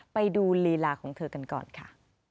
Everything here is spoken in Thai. ไปดูลีลาของเธอกันก่อนค่ะ